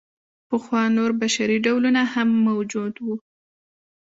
پخوا نور بشري ډولونه هم موجود وو.